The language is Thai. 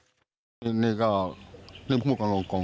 ในวันก่อนหายดีในนี่ก็พบว่ากับโรงเลยนะ